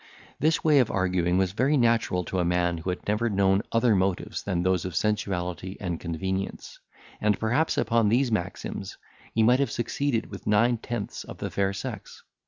This way of arguing was very natural to a man who had never known other motives than those of sensuality and convenience; and perhaps, upon these maxims, he might have succeeded with nine tenths of the fair sex.